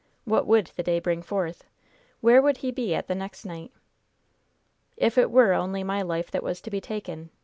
What would the day bring forth? Where would he be the next night? "If it were only my life that was to be taken!